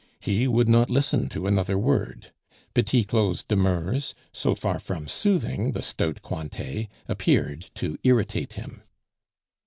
He would not listen to another word. Petit Claud's demurs, so far from soothing the stout Cointet, appeared to irritate him.